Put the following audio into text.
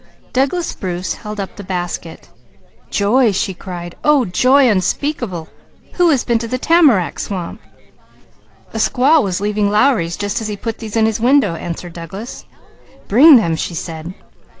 Douglas Bruce held up the basket. "Joy!" she cried. "Oh joy unspeakable! Who has been to the tamarack swamp?" "A squaw was leaving Lowry's as he put these in his window," answered Douglas. "Bring them," she said.